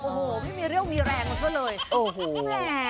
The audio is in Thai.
โอ้โหไม่มีเรื่องมีแรงมาก็เลย